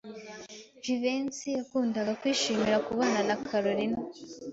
Jivency yakundaga kwishimira kubana na Kalorina.